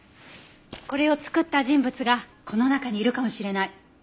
これを作った人物がこの中にいるかもしれない。